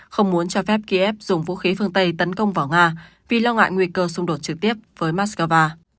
không muốn cho phép kiev dùng vũ khí phương tây tấn công vào nga vì lo ngại nguy cơ xung đột trực tiếp với moscow